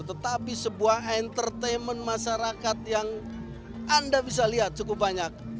tetapi sebuah entertainment masyarakat yang anda bisa lihat cukup banyak